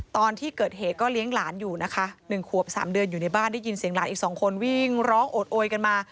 ตอนที่เกิดเหตุก็เลี้ยงหลานอยู่นะคะ๑ขวบ๓เดือนอยู่ในบ้านได้ยินเสียงหลานอีก๒คนวิ่งร้องโอดโอยกันมา